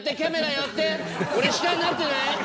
俺下になってない？